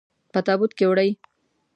په تابوت کې وړئ.